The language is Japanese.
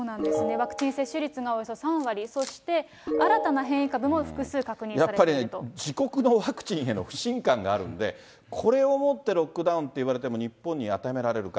ワクチン接種率がおよそ３割、そして新たなやっぱりね、自国のワクチンへの不信感があるんで、これをもってロックダウンと言われても、日本に当てはめられるか。